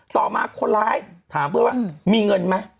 ต่อมาคนร้ายถามเพื่อนว่ามีเงินไหม